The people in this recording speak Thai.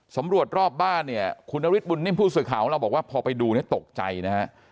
สำรวจรอบบ้านเนี่ยคุณนฤทธบุญนิ่มผู้สื่อข่าวของเราบอกว่าพอไปดูเนี่ยตกใจนะฮะ